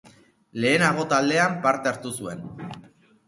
Lehenago taldean parte hartu zuen.